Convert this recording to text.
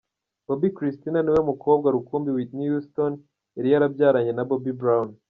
Bobbi Kristina ni we mukobwa rukumbi Whitney Houston yari yarabyaranye na Bobby Brown.